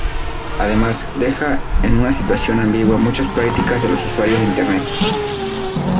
Además, deja en una situación ambigua muchas prácticas de los usuarios de internet.